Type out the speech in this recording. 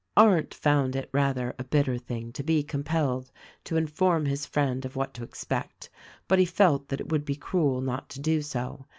Arndt found it rather a bitter thing to be compelled to inform his friend of what to expect, but he felt that it would be cruel not to do so.